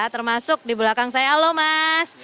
termasuk di belakang saya halo mas